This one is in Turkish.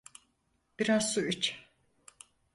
Biraz su iç.